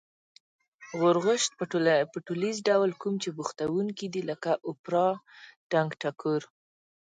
غورغوشت په ټولیز ډول کوم چې بوختوونکي دی لکه: اوپرا، ټنگټکور